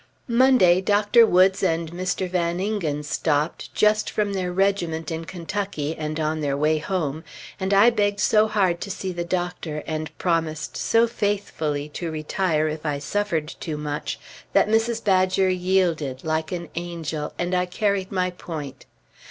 Monday Dr. Woods and Mr. Van Ingen stopped, just from their regiment in Kentucky and on their way home, and I begged so hard to see the Doctor, and promised so faithfully to retire if I suffered too much, that Mrs. Badger yielded, like an angel, and I carried my point.